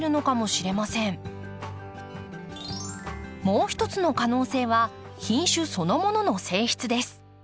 もう一つの可能性は品種そのものの性質です。